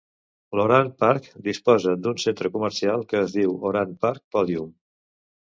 L'Oran Park disposa d'un centre comercial que es diu Oran Park Podium.